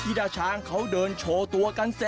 เดี๋ยวเราจะลองสื่อเบอร์ฟซ้ำกว่า